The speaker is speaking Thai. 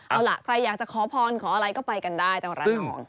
เอาล่ะใครอยากจะขอพรขออะไรก็ไปกันได้จังหวัดระนอง